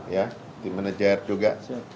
ya di manager juga